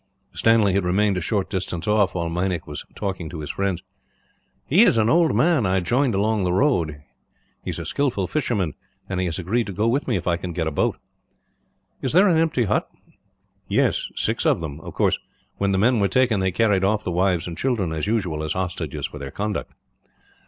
Stanley had remained a short distance off, while Meinik was talking to his friends. "He is an old man I joined along the road," he said. "He is a skilful fisherman; and he has agreed to go with me, if I can get a boat. "Is there an empty hut?" "Yes, six of them. Of course, when the men were taken they carried off the wives and children, as usual, as hostages for their conduct."